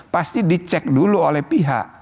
pasti dicek dulu oleh pihak